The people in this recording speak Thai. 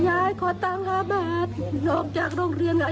ยายก็นั่งร้องไห้ลูบคลำลงศพตลอดเวลา